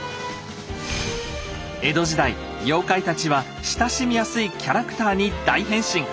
江戸時代妖怪たちは親しみやすいキャラクターに大変身。